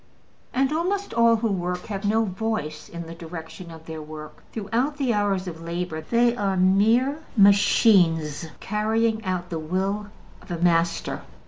And almost all who work have no voice in the direction of their work; throughout the hours of labor they are mere machines carrying out the will of a master.